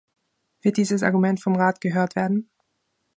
Wird dieses Argument vom Rat gehört werden?